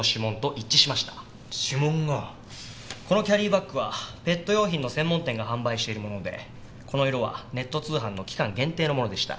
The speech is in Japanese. このキャリーバッグはペット用品の専門店が販売しているものでこの色はネット通販の期間限定のものでした。